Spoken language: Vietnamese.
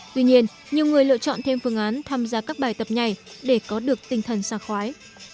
tuy nhiên nhiều người lựa chọn thêm phương án tham gia các bài tập nhảy để có được tinh thần xa khoái